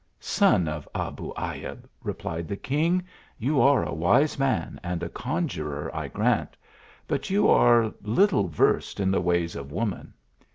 " Son of Abu Ayub," replied the king, " you are a wise man and a conjuror, I grant but you are little versed in the ways of woman.